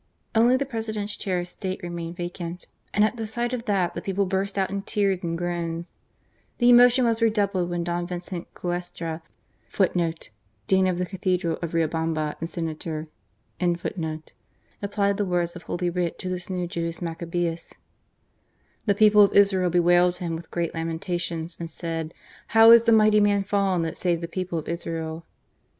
Only the President's chair of state remained vacant, and at the sight of that the people burst out in tears and groans. The emotion was redoubled when Don Vincent Cuesta * applied the words of Holy Writ to this new Judas Machabeus: "The people of Israel bewailed him with great lamentations and said: How is the mighty man fallen that saved the people of Israel?"